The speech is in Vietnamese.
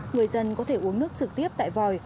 người dân có thể uống nước trực tiếp tại vòi